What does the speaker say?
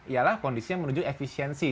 ialah kondisi yang menuju efisiensi